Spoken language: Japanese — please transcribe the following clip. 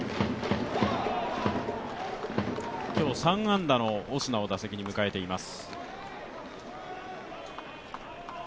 今日３安打のオスナを打席に迎えています。